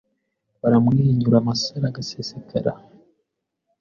Baramwenyura amasaro agasesekare.